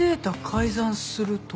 改ざんするとか？